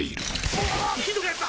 うわひどくなった！